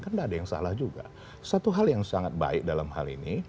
kan tidak ada yang salah juga satu hal yang sangat baik dalam hal ini